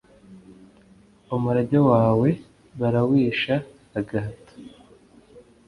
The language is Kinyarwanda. umurage wawe barawisha agahato